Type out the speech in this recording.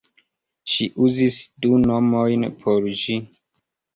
Ŝi uzis du nomojn por ĝi.